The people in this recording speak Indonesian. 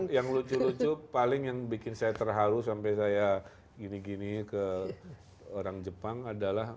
yang lucu lucu paling yang bikin saya terharu sampai saya gini gini ke orang jepang adalah